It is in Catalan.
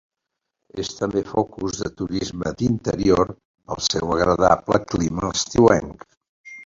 És també focus de turisme d'interior pel seu agradable clima estiuenc.